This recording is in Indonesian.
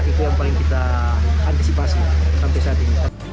itu yang paling kita antisipasi sampai saat ini